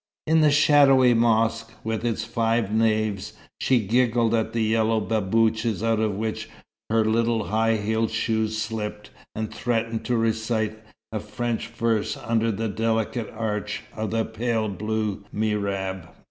In the shadowy mosque, with its five naves, she giggled at the yellow babouches out of which her little high heeled shoes slipped, and threatened to recite a French verse under the delicate arch of the pale blue mihrab.